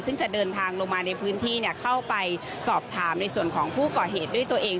ซึ่งจะเดินทางลงมาในพื้นที่เข้าไปสอบถามในส่วนของผู้ก่อเหตุด้วยตัวเอง